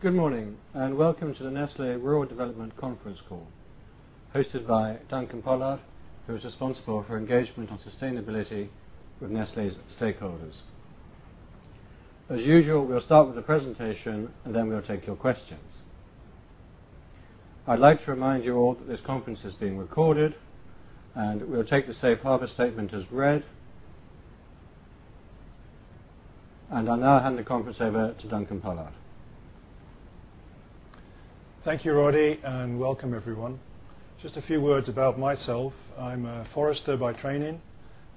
Good morning, and welcome to the Nestlé Rural Development Conference Call hosted by Duncan Pollard, who is responsible for engagement on sustainability with Nestlé's stakeholders. As usual, we'll start with the presentation, and then we'll take your questions. I'd like to remind you all that this conference is being recorded, and we'll take the safe harbor statement as read. I now hand the conference over to Duncan Pollard. Thank you, Roddy, and welcome everyone. Just a few words about myself. I'm a forester by training.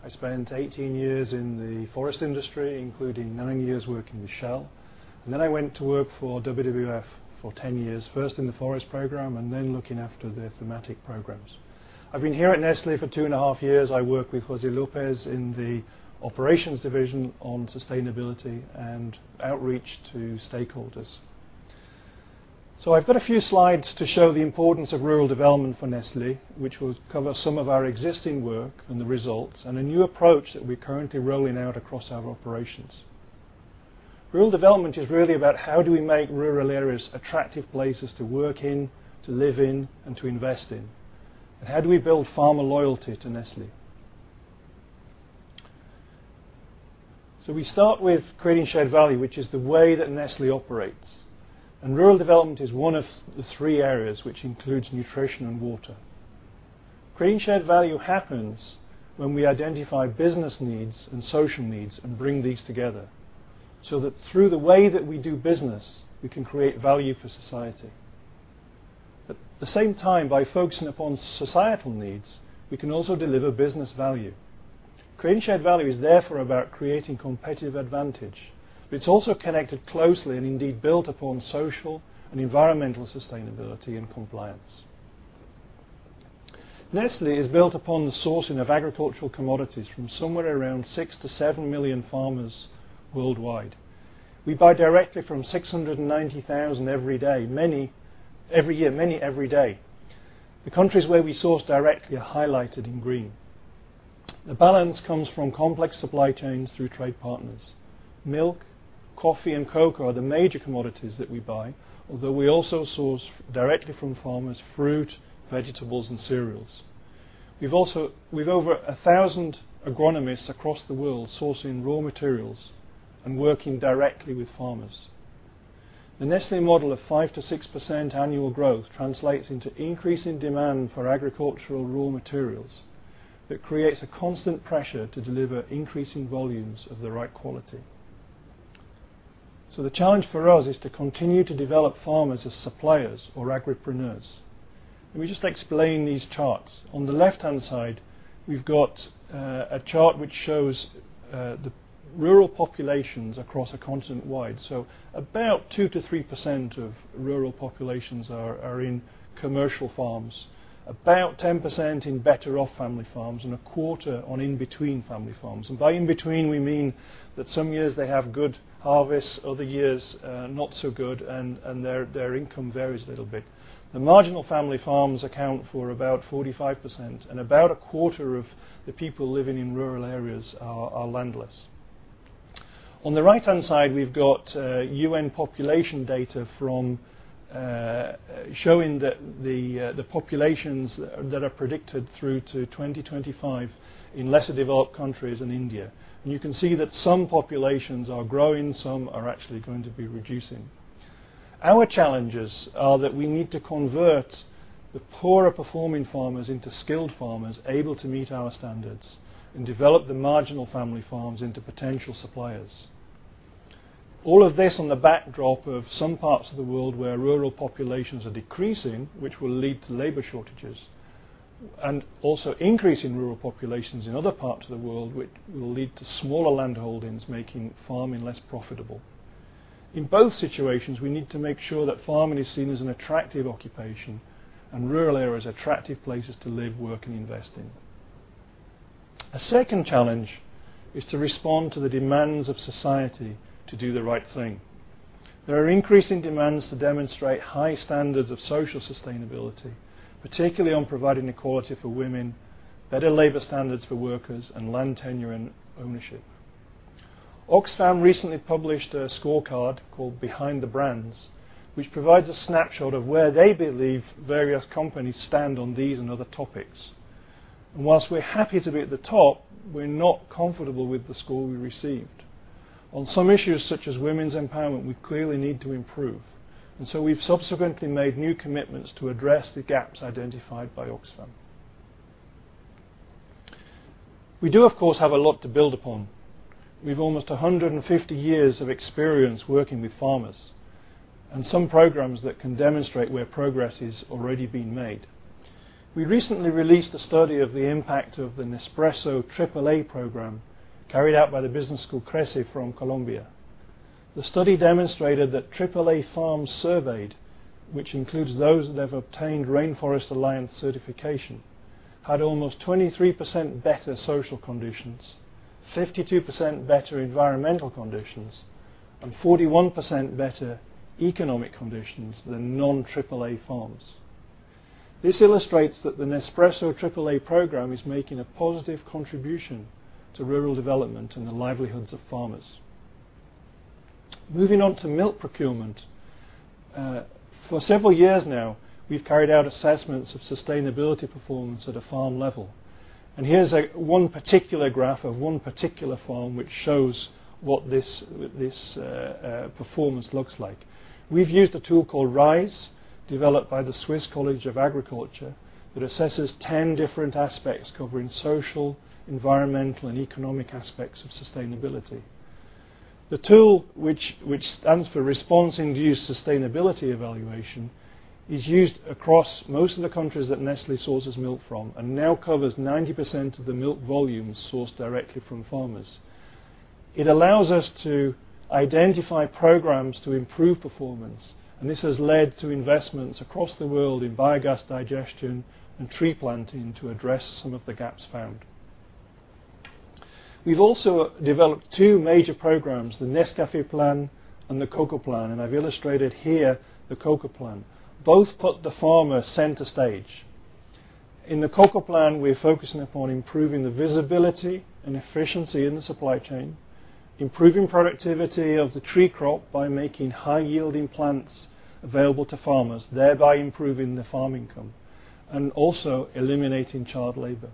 I spent 18 years in the forest industry, including 9 years working with Shell, and then I went to work for WWF for 10 years, first in the forest program and then looking after their thematic programs. I've been here at Nestlé for two and a half years. I work with José Lopez in the operations division on sustainability and outreach to stakeholders. I've got a few slides to show the importance of rural development for Nestlé, which will cover some of our existing work and the results, and a new approach that we're currently rolling out across our operations. Rural development is really about how do we make rural areas attractive places to work in, to live in, and to invest in. How do we build farmer loyalty to Nestlé? We start with Creating Shared Value, which is the way that Nestlé operates. Rural development is one of the 3 areas, which includes nutrition and water. Creating Shared Value happens when we identify business needs and social needs and bring these together, so that through the way that we do business, we can create value for society. At the same time, by focusing upon societal needs, we can also deliver business value. Creating Shared Value is therefore about creating competitive advantage. It's also connected closely and indeed built upon social and environmental sustainability and compliance. Nestlé is built upon the sourcing of agricultural commodities from somewhere around 6 million-7 million farmers worldwide. We buy directly from 690,000 every year, many every day. The countries where we source directly are highlighted in green. The balance comes from complex supply chains through trade partners. Milk, coffee, and cocoa are the major commodities that we buy, although we also source directly from farmers, fruit, vegetables, and cereals. We've over 1,000 agronomists across the world sourcing raw materials and working directly with farmers. The Nestlé model of 5%-6% annual growth translates into increasing demand for agricultural raw materials that creates a constant pressure to deliver increasing volumes of the right quality. The challenge for us is to continue to develop farmers as suppliers or agripreneurs. Let me just explain these charts. On the left-hand side, we've got a chart which shows the rural populations across a continent wide. About 2%-3% of rural populations are in commercial farms, about 10% in better-off family farms, and a quarter on in-between family farms. By in-between, we mean that some years they have good harvests, other years, not so good, and their income varies a little bit. The marginal family farms account for about 45%, and about a quarter of the people living in rural areas are landless. On the right-hand side, we've got UN population data showing the populations that are predicted through to 2025 in lesser developed countries in India. You can see that some populations are growing, some are actually going to be reducing. Our challenges are that we need to convert the poorer performing farmers into skilled farmers able to meet our standards and develop the marginal family farms into potential suppliers. All of this on the backdrop of some parts of the world where rural populations are decreasing, which will lead to labor shortages, and also increase in rural populations in other parts of the world, which will lead to smaller land holdings, making farming less profitable. In both situations, we need to make sure that farming is seen as an attractive occupation and rural areas attractive places to live, work, and invest in. A second challenge is to respond to the demands of society to do the right thing. There are increasing demands to demonstrate high standards of social sustainability, particularly on providing equality for women, better labor standards for workers, and land tenure and ownership. Oxfam recently published a scorecard called Behind the Brands, which provides a snapshot of where they believe various companies stand on these and other topics. Whilst we're happy to be at the top, we're not comfortable with the score we received. On some issues, such as women's empowerment, we clearly need to improve. We've subsequently made new commitments to address the gaps identified by Oxfam. We do, of course, have a lot to build upon. We've almost 150 years of experience working with farmers and some programs that can demonstrate where progress is already being made. We recently released a study of the impact of the Nespresso AAA program carried out by the business school CESA from Colombia. The study demonstrated that AAA farms surveyed, which includes those that have obtained Rainforest Alliance certification, had almost 23% better social conditions, 52% better environmental conditions, and 41% better economic conditions than non-AAA farms. This illustrates that the Nespresso AAA program is making a positive contribution to rural development and the livelihoods of farmers. Moving on to milk procurement. For several years now, we've carried out assessments of sustainability performance at a farm level. Here's one particular graph of one particular farm which shows what this performance looks like. We've used a tool called RISE, developed by the Swiss College of Agriculture, that assesses 10 different aspects covering social, environmental, and economic aspects of sustainability. The tool, which stands for Response-Inducing Sustainability Evaluation, is used across most of the countries that Nestlé sources milk from and now covers 90% of the milk volume sourced directly from farmers. It allows us to identify programs to improve performance. This has led to investments across the world in biogas digestion and tree planting to address some of the gaps found. We've also developed two major programs, the Nescafé Plan and the Cocoa Plan, I've illustrated here the Cocoa Plan. Both put the farmer center stage. In the Cocoa Plan, we're focusing upon improving the visibility and efficiency in the supply chain, improving productivity of the tree crop by making high-yielding plants available to farmers, thereby improving the farm income, and also eliminating child labor.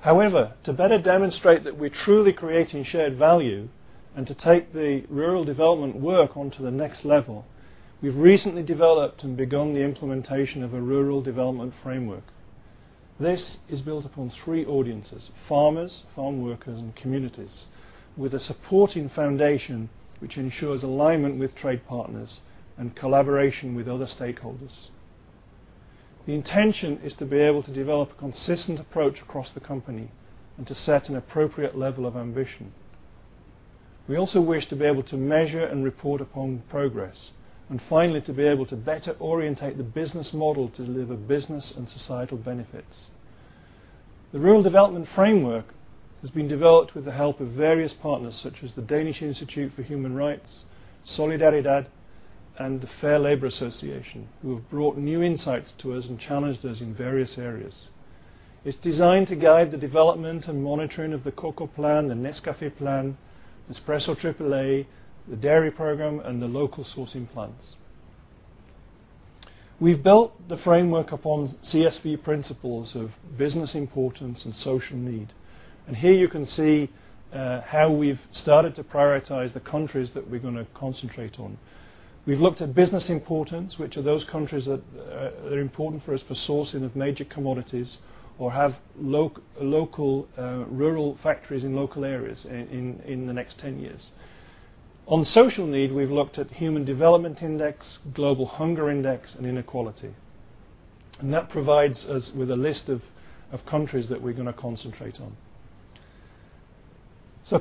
However, to better demonstrate that we're truly Creating Shared Value and to take the rural development work onto the next level, we've recently developed and begun the implementation of a rural development framework. This is built upon three audiences: farmers, farm workers, and communities with a supporting foundation which ensures alignment with trade partners and collaboration with other stakeholders. The intention is to be able to develop a consistent approach across the company and to set an appropriate level of ambition. We also wish to be able to measure and report upon progress, finally, to be able to better orientate the business model to deliver business and societal benefits. The rural development framework has been developed with the help of various partners such as the Danish Institute for Human Rights, Solidaridad, and the Fair Labor Association, who have brought new insights to us and challenged us in various areas. It's designed to guide the development and monitoring of the Cocoa Plan, the Nescafé Plan, Nespresso AAA, the dairy program, and the local sourcing plans. We've built the framework upon CSV principles of business importance and social need. Here you can see how we've started to prioritize the countries that we're going to concentrate on. We've looked at business importance, which are those countries that are important for us for sourcing of major commodities or have local rural factories in local areas in the next 10 years. On social need, we've looked at Human Development Index, Global Hunger Index, and inequality. That provides us with a list of countries that we're going to concentrate on.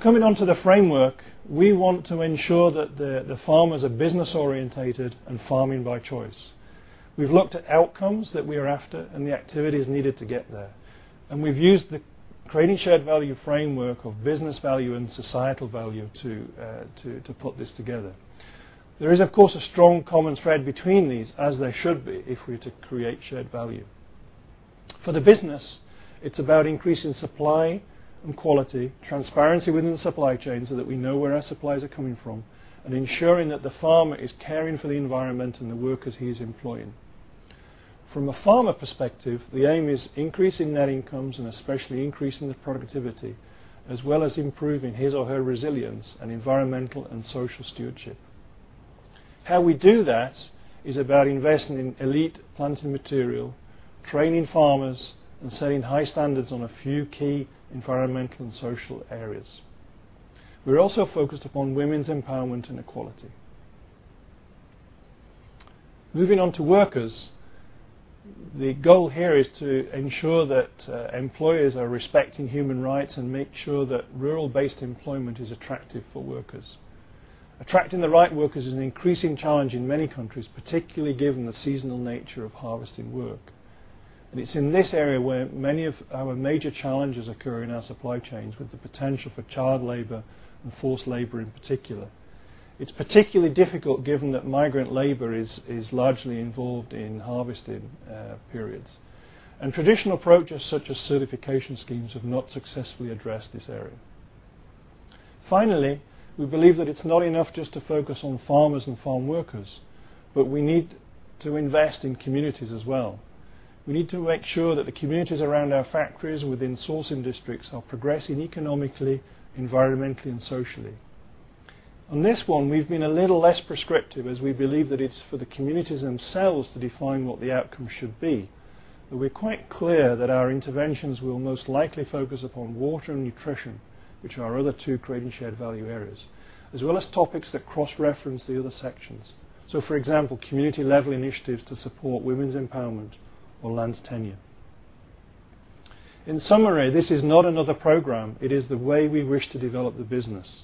Coming onto the framework, we want to ensure that the farmers are business orientated and farming by choice. We've looked at outcomes that we are after and the activities needed to get there, we've used the Creating Shared Value framework of business value and societal value to put this together. There is, of course, a strong common thread between these as there should be if we're to create Creating Shared Value. For the business, it's about increasing supply and quality, transparency within the supply chain so that we know where our supplies are coming from, and ensuring that the farmer is caring for the environment and the workers he is employing. From a farmer perspective, the aim is increasing net incomes and especially increasing the productivity, as well as improving his or her resilience and environmental and social stewardship. How we do that is about investing in elite planting material, training farmers, and setting high standards on a few key environmental and social areas. We're also focused upon women's empowerment and equality. Moving on to workers. The goal here is to ensure that employers are respecting human rights and make sure that rural-based employment is attractive for workers. Attracting the right workers is an increasing challenge in many countries, particularly given the seasonal nature of harvesting work. It's in this area where many of our major challenges occur in our supply chains with the potential for child labor and forced labor in particular. It's particularly difficult given that migrant labor is largely involved in harvesting periods. Traditional approaches such as certification schemes have not successfully addressed this area. Finally, we believe that it's not enough just to focus on farmers and farm workers, but we need to invest in communities as well. We need to make sure that the communities around our factories within sourcing districts are progressing economically, environmentally, and socially. On this one, we've been a little less prescriptive as we believe that it's for the communities themselves to define what the outcome should be. We're quite clear that our interventions will most likely focus upon water and nutrition, which are our other two Creating Shared Value areas, as well as topics that cross-reference the other sections. For example, community-level initiatives to support women's empowerment or land tenure. In summary, this is not another program. It is the way we wish to develop the business.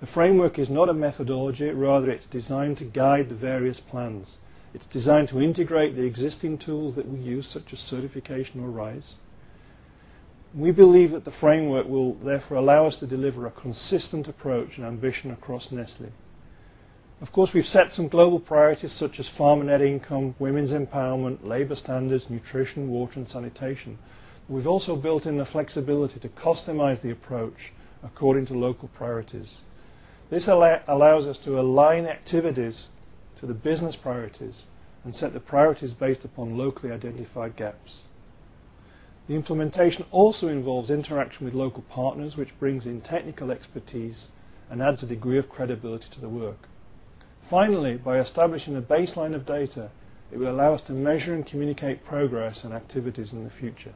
The framework is not a methodology. Rather, it's designed to guide the various plans. It's designed to integrate the existing tools that we use, such as certification or RISE. We believe that the framework will therefore allow us to deliver a consistent approach and ambition across Nestlé. Of course, we've set some global priorities such as farmer net income, women's empowerment, labor standards, nutrition, water, and sanitation. We've also built in the flexibility to customize the approach according to local priorities. This allows us to align activities to the business priorities and set the priorities based upon locally identified gaps. The implementation also involves interaction with local partners, which brings in technical expertise and adds a degree of credibility to the work. Finally, by establishing a baseline of data, it will allow us to measure and communicate progress on activities in the future.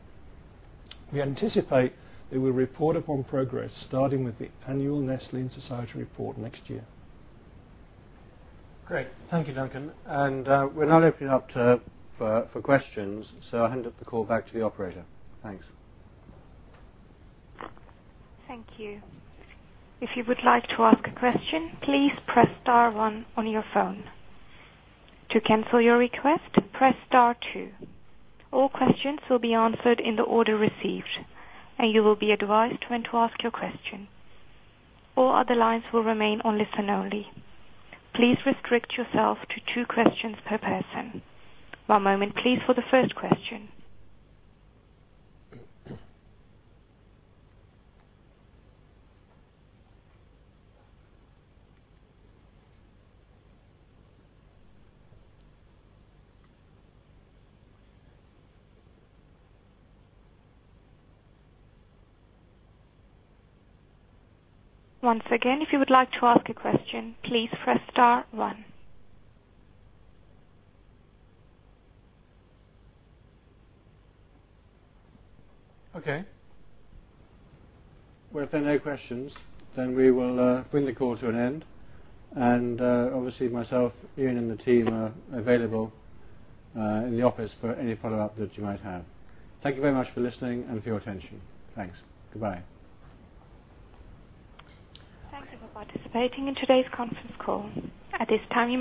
We anticipate that we'll report upon progress starting with the annual Nestlé in Society report next year. Great. Thank you, Duncan. We're now opening up for questions. I'll hand up the call back to the operator. Thanks. Thank you. If you would like to ask a question, please press star one on your phone. To cancel your request, press star two. All questions will be answered in the order received, and you will be advised when to ask your question. All other lines will remain on listen only. Please restrict yourself to two questions per person. One moment please for the first question. Once again, if you would like to ask a question, please press star one. Okay. Well, if there are no questions, we will bring the call to an end. Obviously, myself, Ian, and the team are available in the office for any follow-up that you might have. Thank you very much for listening and for your attention. Thanks. Goodbye. Thank you for participating in today's conference call. At this time